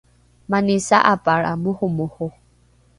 mani sa’apalra moromoro